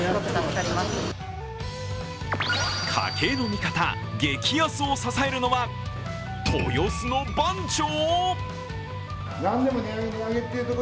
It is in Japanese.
家計の味方、激安を支えるのは豊洲の番長。